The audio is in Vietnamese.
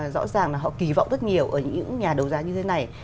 rõ ràng là họ kỳ vọng rất nhiều ở những nhà đấu giá như thế này